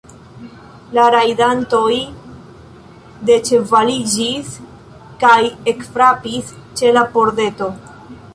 La rajdantoj deĉevaliĝis kaj ekfrapis ĉe la pordeto.